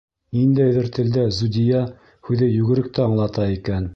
Ниндәйҙер телдә Зүдиә һүҙе йүгеректе аңлата икән.